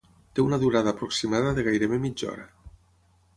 Té una durada aproximada de gairebé mitja d'hora.